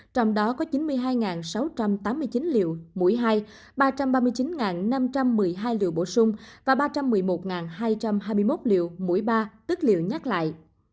trong đó có chín mươi hai sáu trăm tám mươi chín liều mũi hai ba trăm ba mươi chín năm trăm một mươi hai liệu bổ sung và ba trăm một mươi một hai trăm hai mươi một liệu mũi ba tức liệu nhắc lại